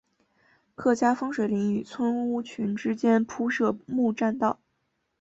客家风水林与村屋群之间铺设木栈道。